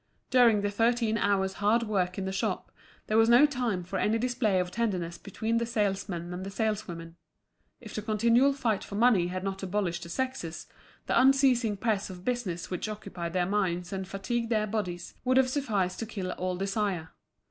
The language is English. During the thirteen hours' hard work in the shop, there was no time for any display of tenderness between the salesmen and the saleswomen. If the continual fight for money had not abolished the sexes, the unceasing press of business which occupied their minds and fatigued their bodies would have sufficed to kill all desire.